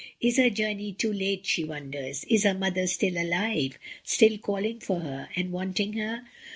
Is her journey too late she wonders, is her mother still alive, still calling for her, and wanting her?